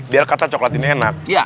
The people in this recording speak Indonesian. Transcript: biar kata coklat ini enak